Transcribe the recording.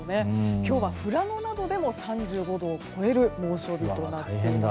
今日は富良野などでも３５度を超えていて猛暑日となっています。